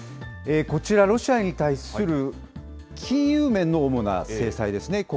こちら、ロシアに対する金融面の主な制裁ですね。